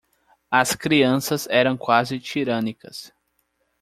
As crianças eram quase tirânicas.